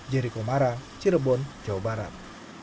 jericho mara cirebon jawa barat